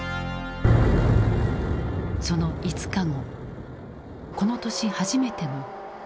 その５日後この年初めての雪が降った。